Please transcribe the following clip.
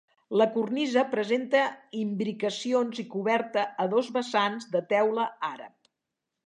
La cornisa presenta imbricacions i coberta a dos vessants de teula àrab.